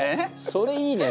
それいいね！